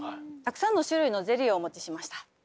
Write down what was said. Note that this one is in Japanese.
たくさんの種類のゼリーをお持ちしました。